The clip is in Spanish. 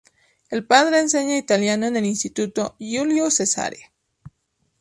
El padre enseña italiano en el instituto Giulio Cesare.